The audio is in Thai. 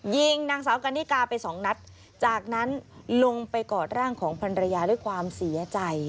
ยิงนางสาวกันนิกาไปสองนัดจากนั้นลงไปกอดร่างของพันรยาด้วยความเสียใจ